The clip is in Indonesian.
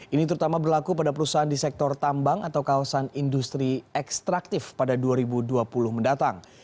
ini terutama berlaku pada perusahaan di sektor tambang atau kawasan industri ekstraktif pada dua ribu dua puluh mendatang